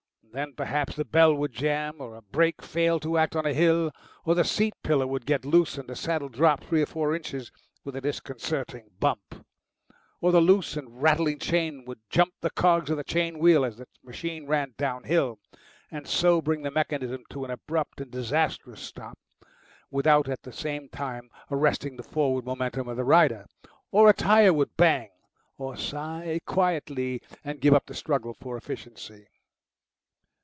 Then perhaps the bell would jam or a brake fail to act on a hill; or the seat pillar would get loose, and the saddle drop three or four inches with a disconcerting bump; or the loose and rattling chain would jump the cogs of the chain wheel as the machine ran downhill, and so bring the mechanism to an abrupt and disastrous stop without at the same time arresting the forward momentum of the rider; or a tyre would bang, or sigh quietly, and give up the struggle for efficiency.